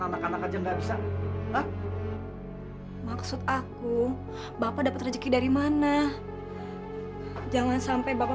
anak anak aja nggak bisa maksud aku bapak dapat rezeki dari mana jangan sampai bapak